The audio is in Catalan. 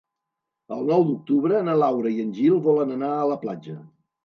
El nou d'octubre na Laura i en Gil volen anar a la platja.